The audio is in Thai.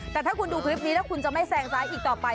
แต่ถ้าคุณดูคลิปนี้แล้วคุณจะไม่แซงซ้ายอีกต่อไป